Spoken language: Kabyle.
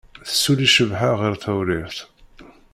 Tessuli Cabḥa ɣer Tewrirt.